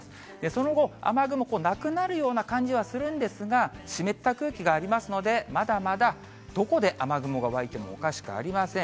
その後、雨雲、なくなるような感じはするんですが、湿った空気がありますので、まだまだどこで雨雲が湧いてもおかしくありません。